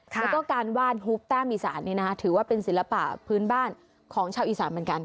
แล้วก็การว่านฮูบแต้มอีสานถือว่าเป็นศิลปะพื้นบ้านของชาวอีสานเหมือนกัน